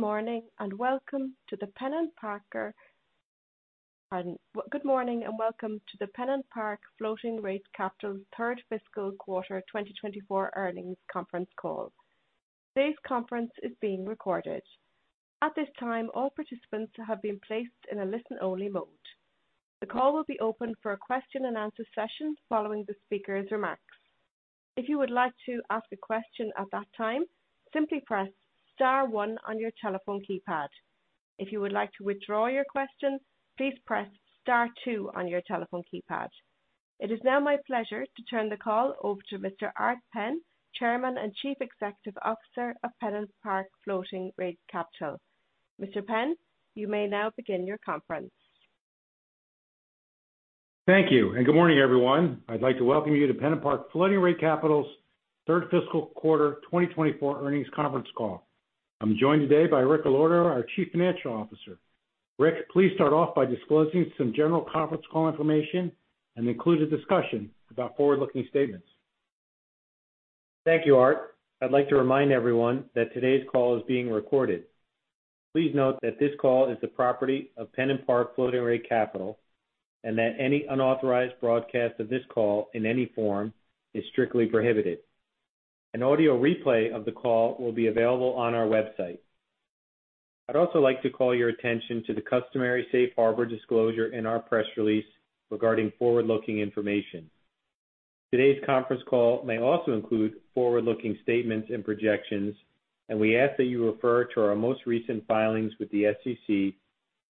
Good morning, and welcome to the PennantPark Floating Rate Capital's third fiscal quarter 2024 earnings conference call. Today's conference is being recorded. At this time, all participants have been placed in a listen-only mode. The call will be open for a question-and-answer session following the speaker's remarks. If you would like to ask a question at that time, simply press star one on your telephone keypad. If you would like to withdraw your question, please press star two on your telephone keypad. It is now my pleasure to turn the call over to Mr. Art Penn, Chairman and Chief Executive Officer of PennantPark Floating Rate Capital. Mr. Penn, you may now begin your conference. Thank you, and good morning, everyone. I'd like to welcome you to PennantPark Floating Rate Capital's third fiscal quarter 2024 earnings conference call. I'm joined today by Rick Allorto, our Chief Financial Officer. Rick, please start off by disclosing some general conference call information and include a discussion about forward-looking statements. Thank you, Art. I'd like to remind everyone that today's call is being recorded. Please note that this call is the property of PennantPark Floating Rate Capital, and that any unauthorized broadcast of this call in any form is strictly prohibited. An audio replay of the call will be available on our website. I'd also like to call your attention to the customary safe harbor disclosure in our press release regarding forward-looking information. Today's conference call may also include forward-looking statements and projections, and we ask that you refer to our most recent filings with the SEC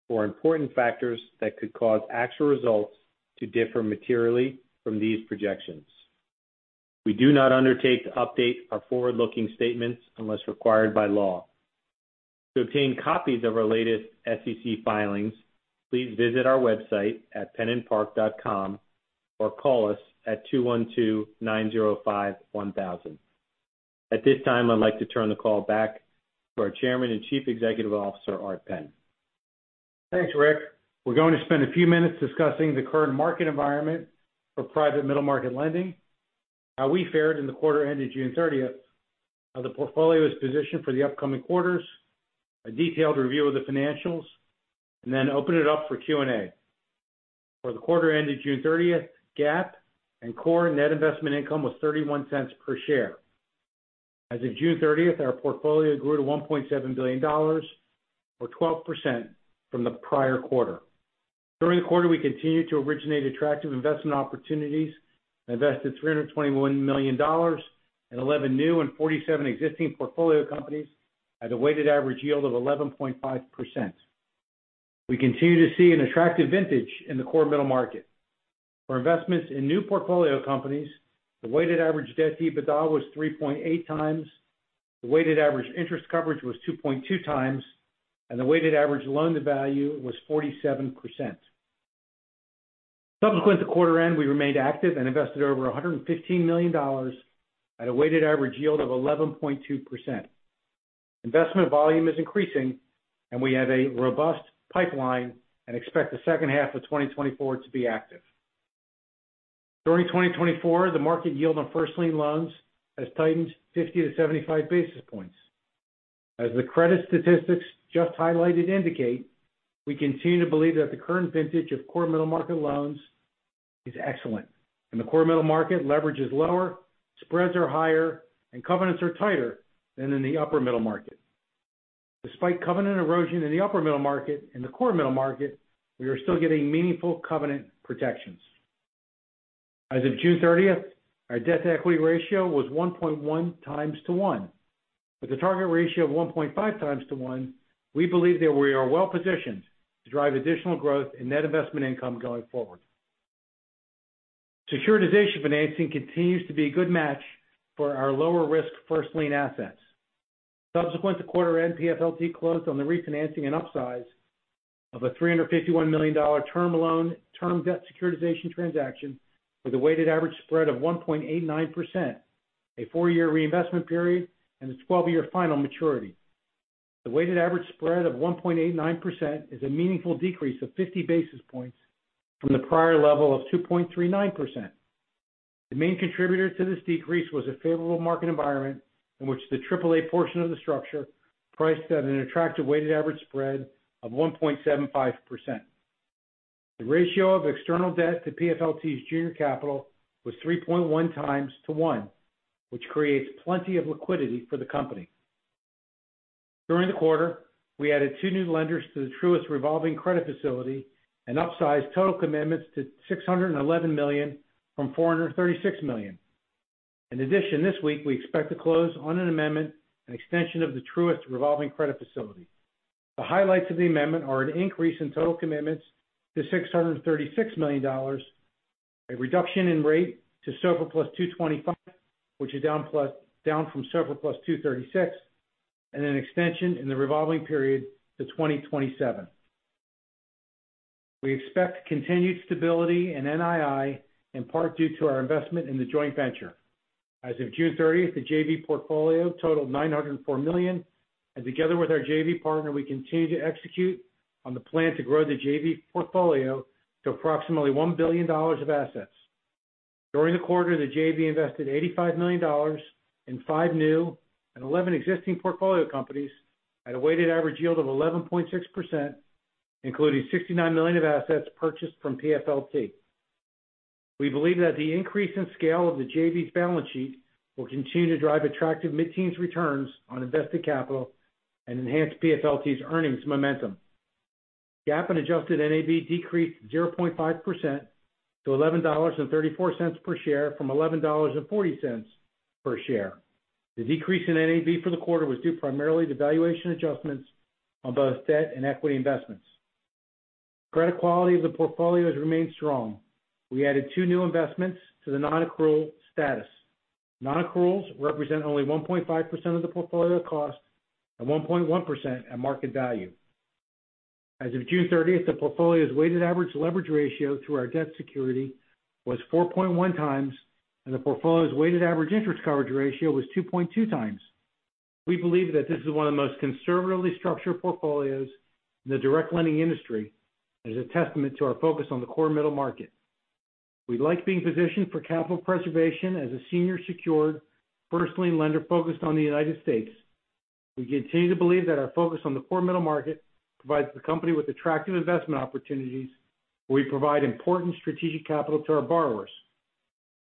for important factors that could cause actual results to differ materially from these projections. We do not undertake to update our forward-looking statements unless required by law. To obtain copies of our latest SEC filings, please visit our website at pennantpark.com or call us at 212-905-1000. At this time, I'd like to turn the call back to our Chairman and Chief Executive Officer, Art Penn. Thanks, Rick. We're going to spend a few minutes discussing the current market environment for private middle-market lending, how we fared in the quarter ended June thirtieth, how the portfolio is positioned for the upcoming quarters, a detailed review of the financials, and then open it up for Q&A. For the quarter ended June thirtieth, GAAP and core net investment income was $0.31 per share. As of June thirtieth, our portfolio grew to $1.7 billion, or 12% from the prior quarter. During the quarter, we continued to originate attractive investment opportunities and invested $321 million in 11 new and 47 existing portfolio companies at a weighted average yield of 11.5%. We continue to see an attractive vintage in the core middle market. For investments in new portfolio companies, the weighted average debt to EBITDA was 3.8x, the weighted average interest coverage was 2.2x, and the weighted average loan to value was 47%. Subsequent to quarter end, we remained active and invested over $115 million at a weighted average yield of 11.2%. Investment volume is increasing, and we have a robust pipeline and expect the second half of 2024 to be active. During 2024, the market yield on first lien loans has tightened 50-75 basis points. As the credit statistics just highlighted indicate, we continue to believe that the current vintage of core middle market loans is excellent. In the core middle market, leverage is lower, spreads are higher, and covenants are tighter than in the upper middle market. Despite covenant erosion in the upper middle market and the core middle market, we are still getting meaningful covenant protections. As of June 30th, our debt-to-equity ratio was 1.1 times to 1. With a target ratio of 1.5 times to 1, we believe that we are well-positioned to drive additional growth in net investment income going forward. Securitization financing continues to be a good match for our lower-risk first lien assets. Subsequent to quarter end, PFLT closed on the refinancing and upsize of a $351 million term loan, term debt securitization transaction with a weighted average spread of 1.89%, a 4-year reinvestment period, and a 12-year final maturity. The weighted average spread of 1.89% is a meaningful decrease of 50 basis points from the prior level of 2.39%. The main contributor to this decrease was a favorable market environment in which the AAA portion of the structure priced at an attractive weighted average spread of 1.75%. The ratio of external debt to PFLT's junior capital was 3.1 times to one, which creates plenty of liquidity for the company. During the quarter, we added two new lenders to the Truist Revolving Credit Facility and upsized total commitments to $611 million from $436 million. In addition, this week, we expect to close on an amendment, an extension of the Truist Revolving Credit Facility. The highlights of the amendment are an increase in total commitments to $636 million, a reduction in rate to SOFR + 2.25, which is down from SOFR + 2.36, and an extension in the revolving period to 2027. We expect continued stability in NII, in part due to our investment in the joint venture. As of June 30, the JV portfolio totaled $904 million, and together with our JV partner, we continue to execute on the plan to grow the JV portfolio to approximately $1 billion of assets. During the quarter, the JV invested $85 million in five new and 11 existing portfolio companies at a weighted average yield of 11.6%, including $69 million of assets purchased from PFLT. We believe that the increase in scale of the JV's balance sheet will continue to drive attractive mid-teens returns on invested capital and enhance PFLT's earnings momentum. GAAP and adjusted NAV decreased 0.5% to $11.34 per share from $11.40 per share. The decrease in NAV for the quarter was due primarily to valuation adjustments on both debt and equity investments. Credit quality of the portfolio has remained strong. We added two new investments to the non-accrual status. Non-accruals represent only 1.5% of the portfolio cost and 1.1% at market value. As of June thirtieth, the portfolio's weighted average leverage ratio to our debt security was 4.1x, and the portfolio's weighted average interest coverage ratio was 2.2x. We believe that this is one of the most conservatively structured portfolios in the direct lending industry and is a testament to our focus on the core middle market. We like being positioned for capital preservation as a senior secured first lien lender focused on the United States. We continue to believe that our focus on the core middle market provides the company with attractive investment opportunities, where we provide important strategic capital to our borrowers.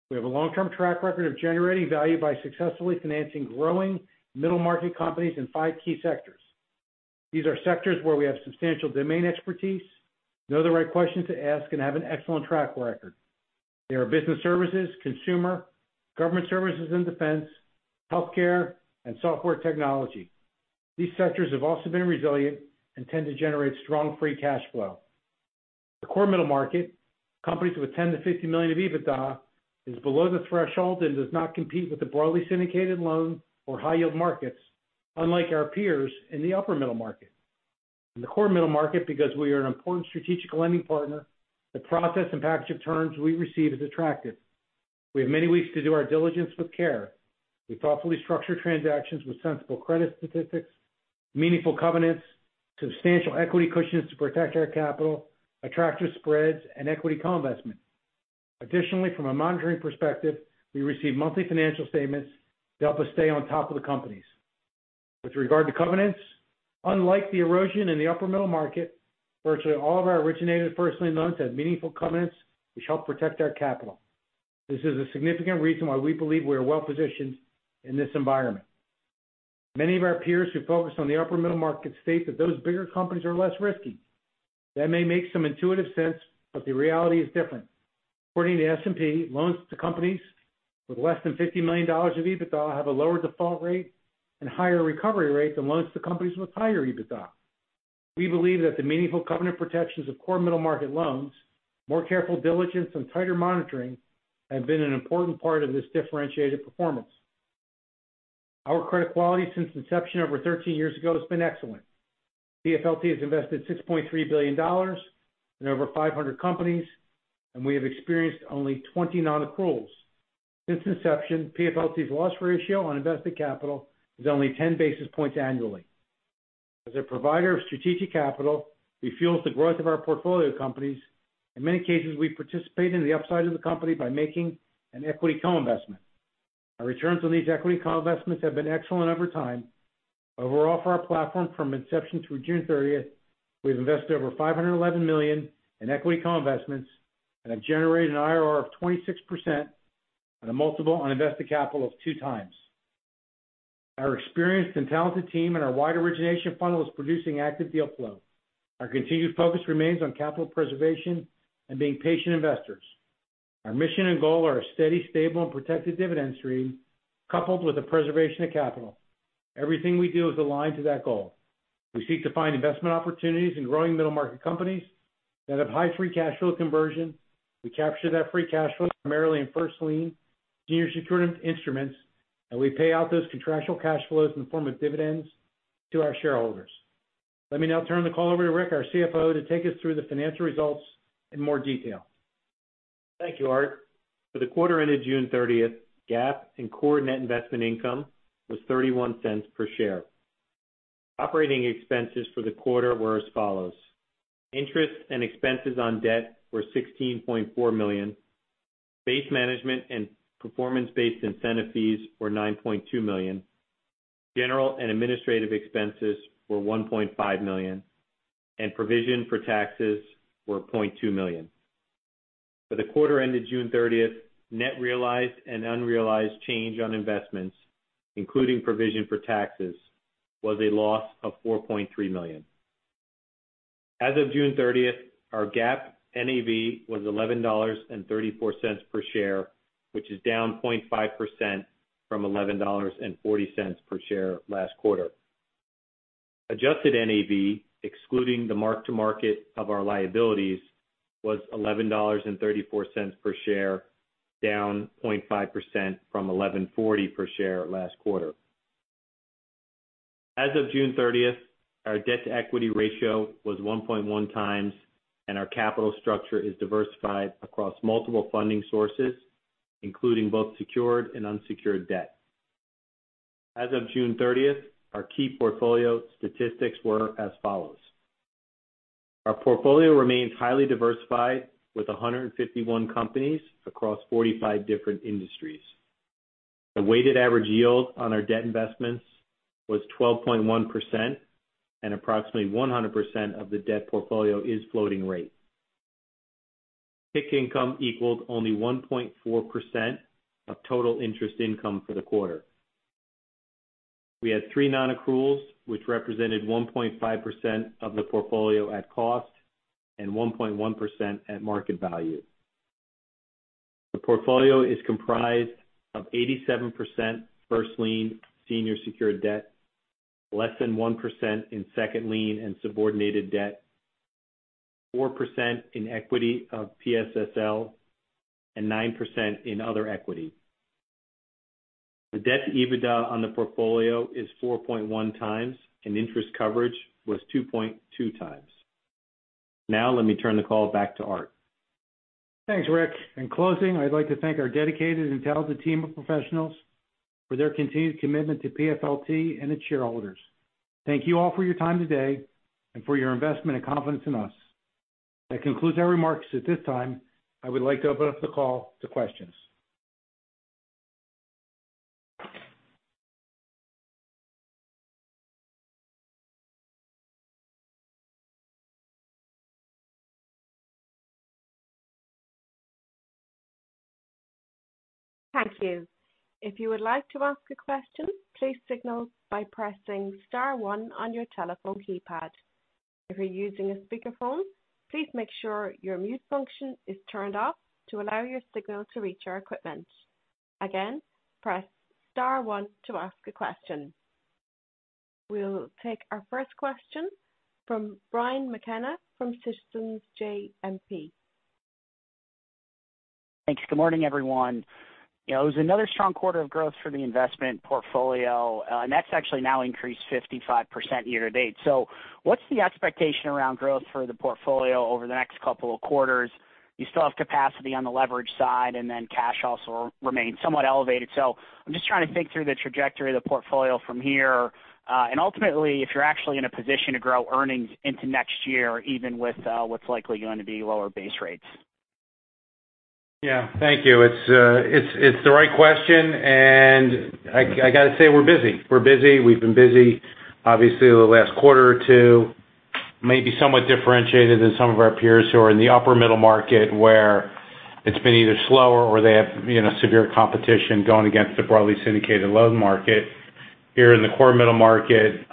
We have a long-term track record of generating value by successfully financing growing middle market companies in five key sectors. These are sectors where we have substantial domain expertise, know the right questions to ask, and have an excellent track record. They are business services, consumer, government services and defense, healthcare, and software technology. These sectors have also been resilient and tend to generate strong free cash flow. The core middle market, companies with 10-50 million of EBITDA, is below the threshold and does not compete with the broadly syndicated loan or high-yield markets, unlike our peers in the upper middle market. In the core middle market, because we are an important strategic lending partner, the process and package of terms we receive is attractive. We have many weeks to do our diligence with care. We thoughtfully structure transactions with sensible credit statistics, meaningful covenants, substantial equity cushions to protect our capital, attractive spreads, and equity co-investment. Additionally, from a monitoring perspective, we receive monthly financial statements to help us stay on top of the companies. With regard to covenants, unlike the erosion in the upper middle market, virtually all of our originated first lien loans have meaningful covenants, which help protect our capital. This is a significant reason why we believe we are well positioned in this environment. Many of our peers who focus on the upper middle market state that those bigger companies are less risky. That may make some intuitive sense, but the reality is different. According to S&P, loans to companies with less than $50 million of EBITDA have a lower default rate and higher recovery rate than loans to companies with higher EBITDA. We believe that the meaningful covenant protections of core middle market loans, more careful diligence, and tighter monitoring have been an important part of this differentiated performance. Our credit quality since inception over 13 years ago has been excellent. PFLT has invested $6.3 billion in over 500 companies, and we have experienced only 20 nonaccruals. Since inception, PFLT's loss ratio on invested capital is only 10 basis points annually. As a provider of strategic capital, we fuel the growth of our portfolio companies. In many cases, we participate in the upside of the company by making an equity co-investment. Our returns on these equity co-investments have been excellent over time. Overall, for our platform from inception through June 30th, we've invested over $511 million in equity co-investments and have generated an IRR of 26% on a multiple on invested capital of 2x. Our experienced and talented team and our wide origination funnel is producing active deal flow. Our continued focus remains on capital preservation and being patient investors. Our mission and goal are a steady, stable, and protected dividend stream, coupled with the preservation of capital. Everything we do is aligned to that goal. We seek to find investment opportunities in growing middle market companies that have high free cash flow conversion. We capture that free cash flow primarily in first lien, senior secured instruments, and we pay out those contractual cash flows in the form of dividends to our shareholders. Let me now turn the call over to Rick, our CFO, to take us through the financial results in more detail. Thank you, Art. For the quarter ended June 30th, GAAP and core net investment income was $0.31 per share. Operating expenses for the quarter were as follows: interest and expenses on debt were $16.4 million, base management and performance-based incentive fees were $9.2 million, general and administrative expenses were $1.5 million, and provision for taxes were $0.2 million. For the quarter ended June 30th, net realized and unrealized change on investments, including provision for taxes, was a loss of $4.3 million. As of June 30th, our GAAP NAV was $11.34 per share, which is down 0.5% from $11.40 per share last quarter. Adjusted NAV, excluding the mark-to-market of our liabilities, was $11.34 per share, down 0.5% from $11.40 per share last quarter. As of June 30th, our debt-to-equity ratio was 1.1 times, and our capital structure is diversified across multiple funding sources, including both secured and unsecured debt. As of June 30th, our key portfolio statistics were as follows: Our portfolio remains highly diversified, with 151 companies across 45 different industries. The weighted average yield on our debt investments was 12.1%, and approximately 100% of the debt portfolio is floating rate. PIK income equaled only 1.4% of total interest income for the quarter. We had three non-accruals, which represented 1.5% of the portfolio at cost and 1.1% at market value. The portfolio is comprised of 87% first lien senior secured debt, less than 1% in second lien and subordinated debt, 4% in equity of PSSL, and 9% in other equity. The debt to EBITDA on the portfolio is 4.1x, and interest coverage was 2.2x. Now, let me turn the call back to Art. Thanks, Rick. In closing, I'd like to thank our dedicated and talented team of professionals for their continued commitment to PFLT and its shareholders. Thank you all for your time today and for your investment and confidence in us. That concludes our remarks. At this time, I would like to open up the call to questions. Thank you. If you would like to ask a question, please signal by pressing star one on your telephone keypad. If you're using a speakerphone, please make sure your mute function is turned off to allow your signal to reach our equipment. Again, press star one to ask a question. We'll take our first question from Brian McKenna from Citizens JMP. Thanks. Good morning, everyone. You know, it was another strong quarter of growth for the investment portfolio, and that's actually now increased 55% year to date. So what's the expectation around growth for the portfolio over the next couple of quarters? You still have capacity on the leverage side, and then cash also remains somewhat elevated. So I'm just trying to think through the trajectory of the portfolio from here, and ultimately, if you're actually in a position to grow earnings into next year, even with what's likely going to be lower base rates. Yeah, thank you. It's the right question, and I gotta say, we're busy. We're busy. We've been busy, obviously, over the last quarter or two, maybe somewhat differentiated than some of our peers who are in the upper middle market, where it's been either slower or they have, you know, severe competition going against the broadly syndicated loan market. Here in the core middle market,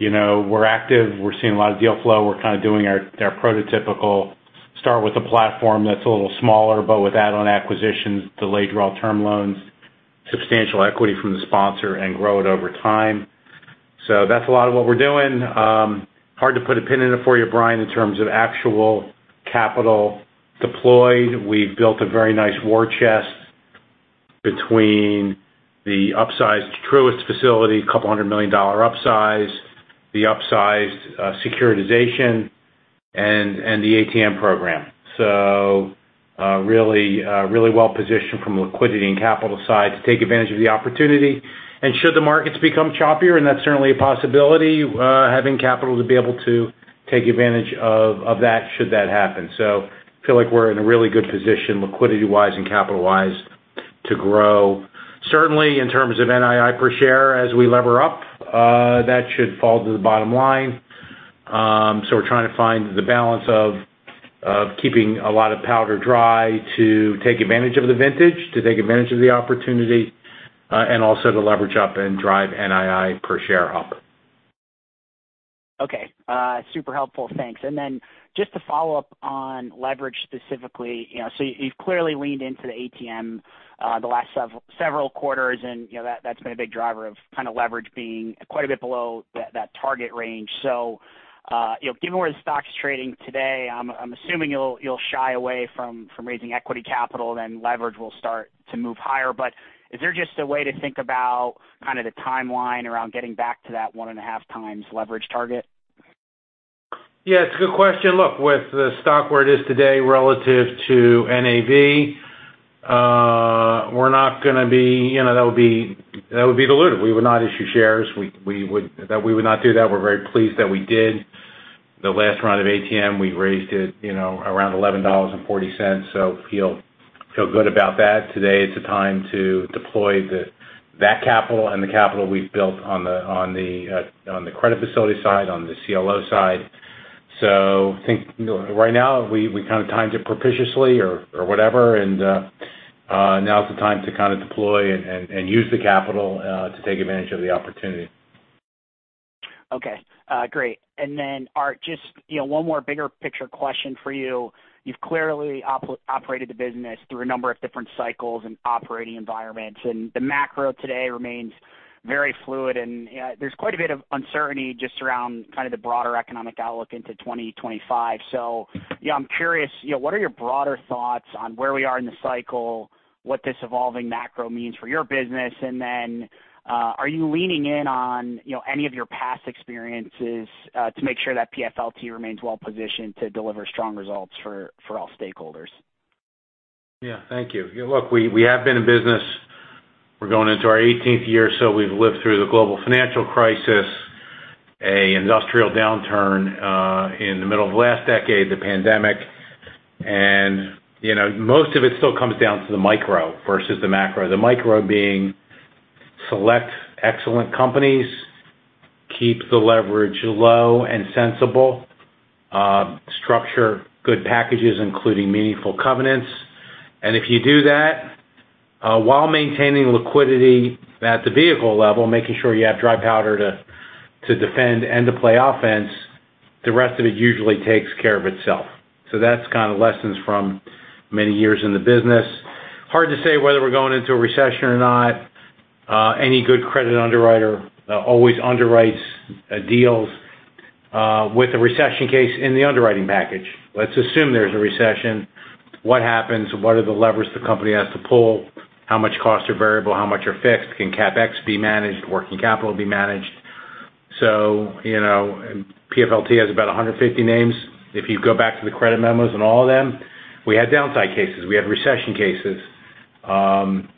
you know, we're active, we're seeing a lot of deal flow. We're kind of doing our prototypical start with a platform that's a little smaller, but with add-on acquisitions, delayed draw term loans, substantial equity from the sponsor and grow it over time. So that's a lot of what we're doing. Hard to put a pin in it for you, Brian, in terms of actual capital deployed. We've built a very nice war chest between the upsized Truist facility, $200 million upsize, the upsized securitization, and the ATM program. So, really, really well positioned from a liquidity and capital side to take advantage of the opportunity. And should the markets become choppier, and that's certainly a possibility, having capital to be able to take advantage of that, should that happen. So feel like we're in a really good position, liquidity-wise and capital-wise, to grow. Certainly, in terms of NII per share as we lever up, that should fall to the bottom line. So we're trying to find the balance of keeping a lot of powder dry to take advantage of the vintage, to take advantage of the opportunity, and also to leverage up and drive NII per share up. Okay, super helpful. Thanks. And then just to follow up on leverage specifically, you know, so you've clearly leaned into the ATM, the last several quarters, and, you know, that's been a big driver of kind of leverage being quite a bit below that target range. So, you know, given where the stock's trading today, I'm assuming you'll shy away from raising equity capital, then leverage will start to move higher. But is there just a way to think about kind of the timeline around getting back to that 1.5x leverage target? Yeah, it's a good question. Look, with the stock where it is today relative to NAV, we're not gonna be... You know, that would be, that would be dilutive. We would not issue shares. We would not do that. We're very pleased that we did the last round of ATM. We raised it, you know, around $11.40, so feel good about that. Today, it's a time to deploy that capital and the capital we've built on the credit facility side, on the CLO side. So I think right now, we kind of timed it propitiously or whatever, and now's the time to kind of deploy and use the capital to take advantage of the opportunity. Okay, great. And then, Art, just, you know, one more bigger picture question for you. You've clearly operated the business through a number of different cycles and operating environments, and the macro today remains very fluid, and there's quite a bit of uncertainty just around kind of the broader economic outlook into 2025. So, you know, I'm curious, you know, what are your broader thoughts on where we are in the cycle, what this evolving macro means for your business, and then, are you leaning in on, you know, any of your past experiences, to make sure that PFLT remains well positioned to deliver strong results for all stakeholders? Yeah, thank you. Yeah, look, we have been in business. We're going into our eighteenth year, so we've lived through the global financial crisis, an industrial downturn in the middle of last decade, the pandemic. And, you know, most of it still comes down to the micro versus the macro. The micro being select excellent companies, keep the leverage low and sensible, structure good packages, including meaningful covenants. And if you do that, while maintaining liquidity at the vehicle level, making sure you have dry powder to defend and to play offense, the rest of it usually takes care of itself. So that's kind of lessons from many years in the business. Hard to say whether we're going into a recession or not. Any good credit underwriter always underwrites deals with a recession case in the underwriting package. Let's assume there's a recession. What happens? What are the levers the company has to pull? How much costs are variable? How much are fixed? Can CapEx be managed? Working capital be managed? So, you know, PFLT has about 150 names. If you go back to the credit memos and all of them, we had downside cases, we had recession cases,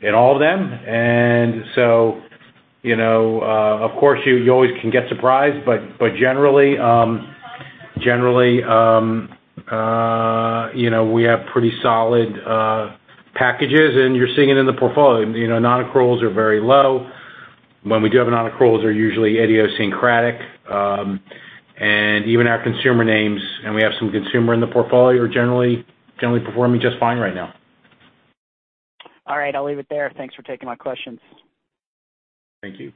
in all of them. And so, you know, of course, you always can get surprised, but generally, generally, you know, we have pretty solid packages, and you're seeing it in the portfolio. You know, non-accruals are very low. When we do have non-accruals, they're usually idiosyncratic, and even our consumer names, and we have some consumer in the portfolio, are generally performing just fine right now. All right, I'll leave it there. Thanks for taking my questions. Thank you.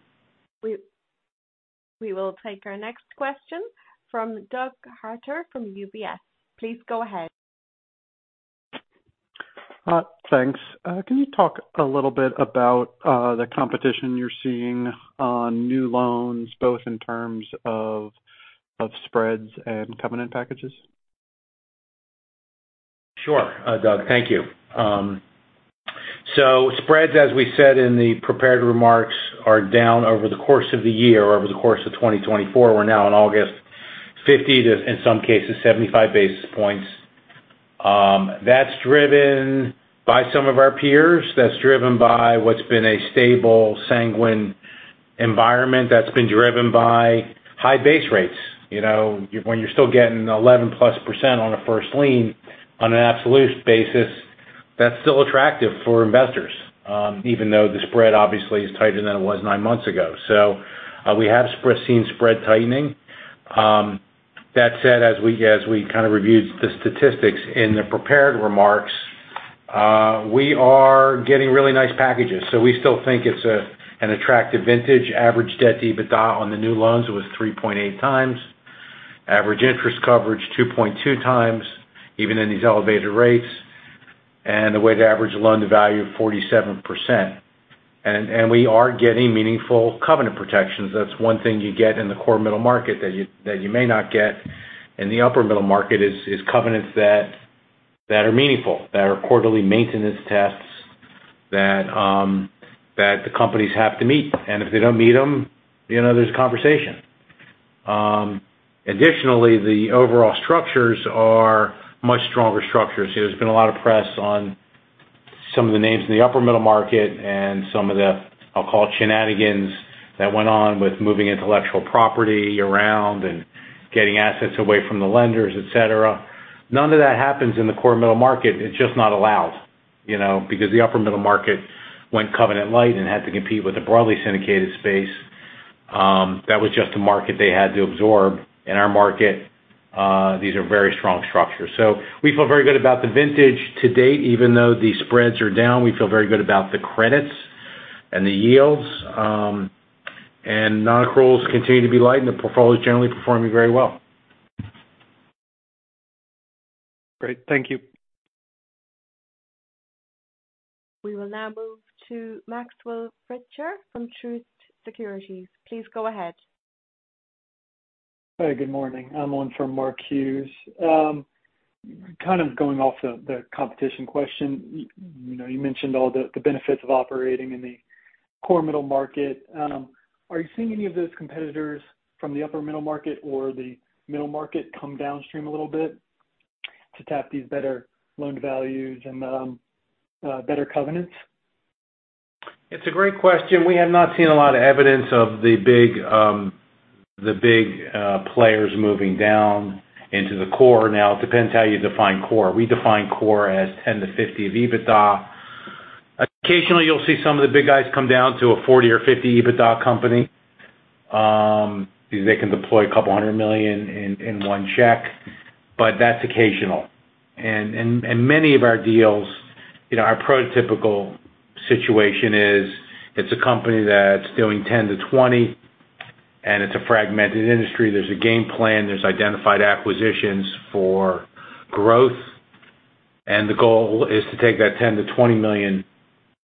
We will take our next question from Doug Harter from UBS. Please go ahead. Thanks. Can you talk a little bit about the competition you're seeing on new loans, both in terms of spreads and covenant packages? Sure, Doug, thank you. So spreads, as we said in the prepared remarks, are down over the course of the year, over the course of 2024. We're now in August, 50-75 basis points. That's driven by some of our peers. That's driven by what's been a stable, sanguine environment that's been driven by high base rates. You know, when you're still getting 11+% on a first lien on an absolute basis, that's still attractive for investors, even though the spread obviously is tighter than it was nine months ago. So, we have seen spread tightening. That said, as we, as we kind of reviewed the statistics in the prepared remarks, we are getting really nice packages, so we still think it's an attractive vintage. Average debt to EBITDA on the new loans was 3.8x. Average interest coverage, 2.2x, even in these elevated rates, and the weighted average loan-to-value, 47%. We are getting meaningful covenant protections. That's one thing you get in the core middle market that you, that you may not get in the upper middle market is, is covenants that, that are meaningful, that are quarterly maintenance tests, that the companies have to meet. And if they don't meet them, you know, there's a conversation. Additionally, the overall structures are much stronger structures. There's been a lot of press on some of the names in the upper middle market and some of the, I'll call it, shenanigans, that went on with moving intellectual property around and getting assets away from the lenders, et cetera. None of that happens in the core middle market. It's just not allowed, you know, because the upper middle market went covenant light and had to compete with the broadly syndicated space. That was just a market they had to absorb. In our market, these are very strong structures. So we feel very good about the vintage to date. Even though the spreads are down, we feel very good about the credits and the yields. And non-accruals continue to be light, and the portfolio is generally performing very well. Great. Thank you. We will now move to Maxwell Fritscher from Truist Securities. Please go ahead. Hi, good morning. I'm on for Mark Hughes. Kind of going off the competition question, you know, you mentioned all the benefits of operating in the core middle market. Are you seeing any of those competitors from the upper middle market or the middle market come downstream a little bit to tap these better loan values and better covenants? It's a great question. We have not seen a lot of evidence of the big players moving down into the core. Now, it depends how you define core. We define core as 10-50 of EBITDA. Occasionally, you'll see some of the big guys come down to a 40 or 50 EBITDA company, because they can deploy a couple hundred million in one check, but that's occasional. And many of our deals, you know, our prototypical situation is it's a company that's doing 10-20, and it's a fragmented industry. There's a game plan, there's identified acquisitions for growth, and the goal is to take that 10-20 million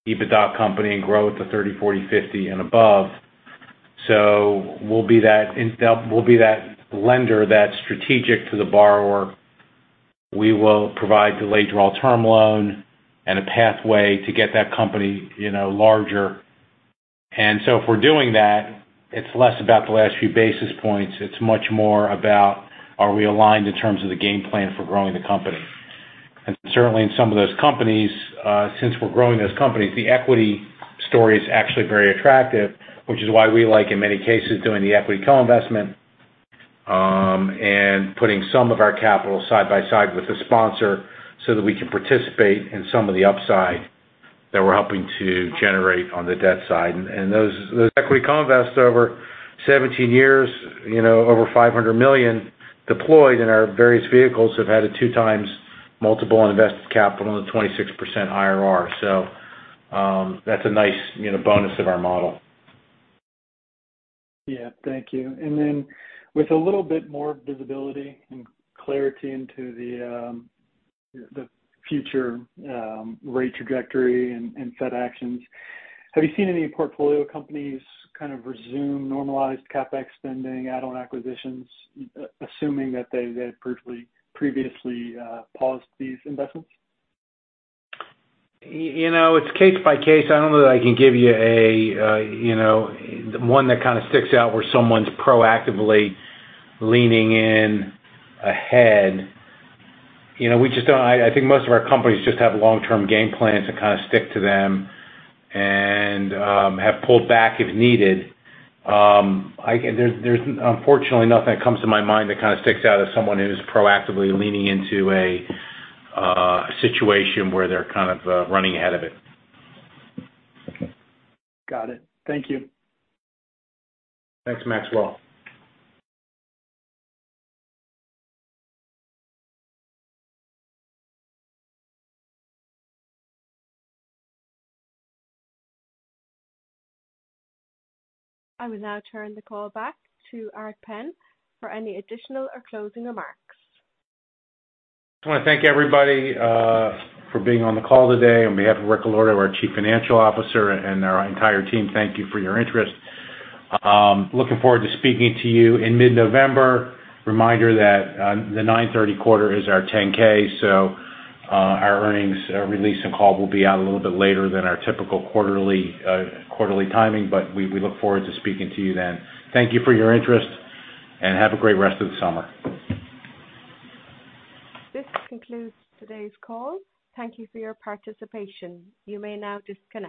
EBITDA company and grow it to 30, 40, 50 and above. So we'll be that we'll be that lender that's strategic to the borrower. We will provide the late-draw term loan and a pathway to get that company, you know, larger. And so if we're doing that, it's less about the last few basis points. It's much more about, are we aligned in terms of the game plan for growing the company? And certainly, in some of those companies, since we're growing those companies, the equity story is actually very attractive, which is why we like, in many cases, doing the equity co-investment, and putting some of our capital side by side with the sponsor so that we can participate in some of the upside that we're helping to generate on the debt side. And those, those equity co-invest over 17 years, you know, over $500 million deployed in our various vehicles, have had a 2x multiple on invested capital and a 26% IRR. That's a nice, you know, bonus of our model. Yeah. Thank you. And then with a little bit more visibility and clarity into the future rate trajectory and Fed actions, have you seen any portfolio companies kind of resume normalized CapEx spending, add-on acquisitions, assuming that they had previously paused these investments? You know, it's case by case. I don't know that I can give you a, you know, one that kind of sticks out, where someone's proactively leaning in ahead. You know, we just don't. I think most of our companies just have long-term game plans and kind of stick to them and have pulled back if needed. I can. There's unfortunately nothing that comes to my mind that kind of sticks out as someone who's proactively leaning into a situation where they're kind of running ahead of it. Okay. Got it. Thank you. Thanks, Maxwell. I will now turn the call back to Art Penn for any additional or closing remarks. I wanna thank everybody for being on the call today. On behalf of Rick Allorto, our Chief Financial Officer, and our entire team, thank you for your interest. Looking forward to speaking to you in mid-November. Reminder that the 9/30 quarter is our 10-K, so our earnings release and call will be out a little bit later than our typical quarterly quarterly timing, but we look forward to speaking to you then. Thank you for your interest, and have a great rest of the summer. This concludes today's call. Thank you for your participation. You may now disconnect.